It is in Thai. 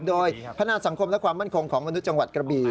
โดยพนาสังคมและความมั่นคงของมนุษย์จังหวัดกระบี